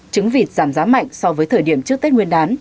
trứng vịt giảm giá mạnh so với thời điểm trước tết nguyên đán